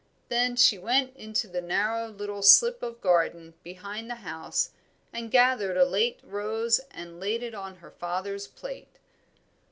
Then she went into the narrow little slip of garden behind the house and gathered a late rose and laid it on her father's plate.